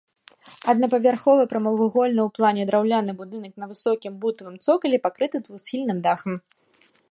Аднапавярховы прамавугольны ў плане драўляны будынак на высокім бутавым цокалі пакрыты двухсхільным дахам.